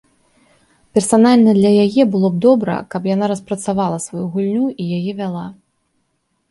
Персанальна для яе было б добра, каб яна распрацавала сваю гульню і яе вяла.